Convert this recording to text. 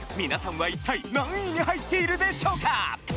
皆さんは一体何位に入っているでしょうか？